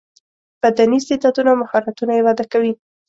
بدني استعداونه او مهارتونه یې وده کوي.